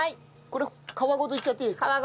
これ皮ごといっちゃっていいんですか？